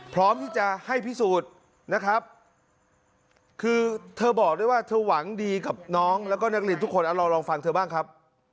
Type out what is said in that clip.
พร้อมที่จะให้พิสูจน์นะครับคือเธอบอกด้วยว่าเธอหวังดีกับน้องแล้วก็นักเรียนทุกคนเอาลองลองฟังเธอบ้างครับ